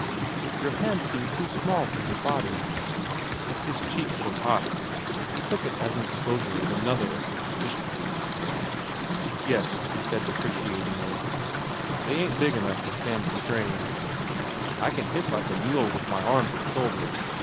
"Your hands seemed too small for your body." His cheeks were hot. He took it as an exposure of another of his deficiencies. "Yes," he said depreciatingly. "They ain't big enough to stand the strain. I can hit like a mule with my arms and shoulders.